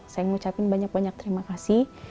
saya mengucapkan banyak banyak terima kasih